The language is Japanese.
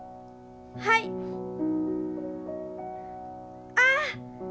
はい！ああ！